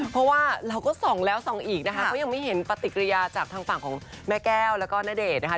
เพราะว่าจะส่องแล้วส่องอีกอย่างไม่เห็นปฏิกิริยาจากทางฝั่งของแม่แก้วแล้วก็นเดชร์